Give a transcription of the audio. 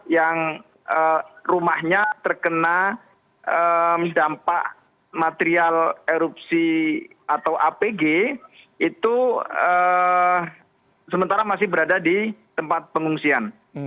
yang rumahnya terkena dampak material erupsi atau apg itu sementara masih berada di tempat pengungsian